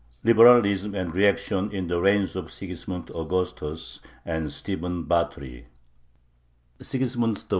LIBERALISM AND REACTION IN THE REIGNS OF SIGISMUND AUGUSTUS AND STEPHEN BATORY Sigismund I.'